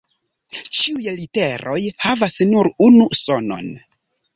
Ĉiuj literoj havas nur unu sonon.